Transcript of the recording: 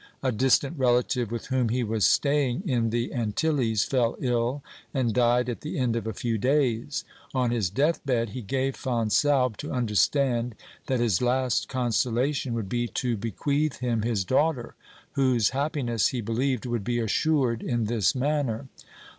A distant relative, with whom he was staying in the Antilles, fell ill, and died at the end of a few days. On his death bed he gave Fonsalbe to understand that his last consolation would be to be OBERMANN 371 queath him his daughter, whose happiness, he believed, would be assured in this manner.